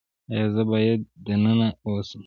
ایا زه باید دننه اوسم؟